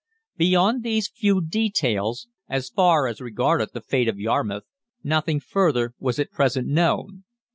Beyond these few details, as far as regarded the fate of Yarmouth, nothing further was at present known.